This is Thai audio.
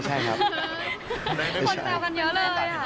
คนแสบกันเยอะเลยค่ะ